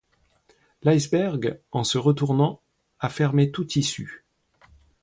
L’iceberg en se retournant a fermé toute issue.